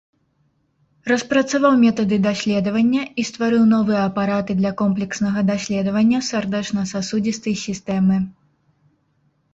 Распрацаваў метады даследавання і стварыў новыя апараты для комплекснага даследавання сардэчна-сасудзістай сістэмы.